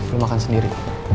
lo makan sendiri